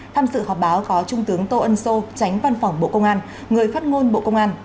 tham dự họp báo có trung tướng tô ân sô tránh văn phòng bộ công an người phát ngôn bộ công an